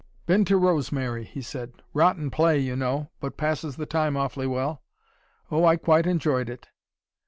"Been to 'Rosemary,'" he said. "Rotten play, you know but passes the time awfully well. Oh, I quite enjoyed it."